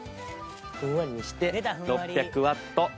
ふんわりにして６００ワット。